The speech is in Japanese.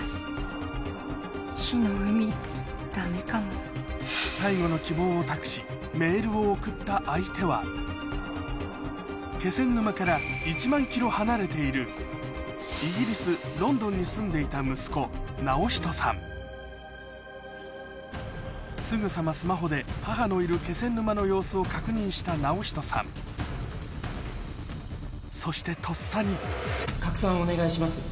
そこで最後の希望を託しメールを送った相手は気仙沼から１万ｋｍ離れているイギリスロンドンに住んでいたすぐさまスマホで母のいる気仙沼の様子を確認した直仁さんそしてとっさに「拡散お願いします！